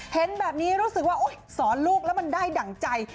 เห็นแบบนี้รู้สึกว่าสอนลูกแล้วมันได้ดั่งใจ